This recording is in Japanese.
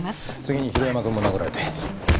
次に広山くんも殴られて。